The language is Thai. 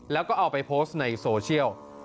แล้วก็เอาไปโพสต์ในโซเชียล